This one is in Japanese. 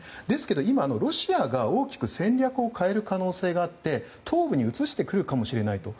ですけど今、ロシアが戦略を大きく変える可能性があって東部に移してくるかもしれない。